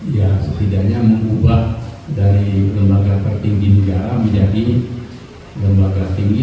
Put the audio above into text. ya setidaknya membuat dari lembaga tertinggi negara menjadi lembaga tinggi